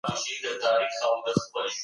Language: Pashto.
ټولنه د اخلاقو پر ستنو ولاړه ده.